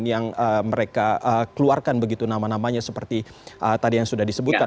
yang mereka keluarkan begitu nama namanya seperti tadi yang sudah disebutkan